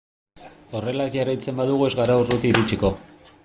Horrela jarraitzen badugu ez gara urruti iritsiko.